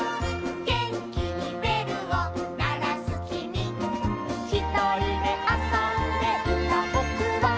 「げんきにべるをならすきみ」「ひとりであそんでいたぼくは」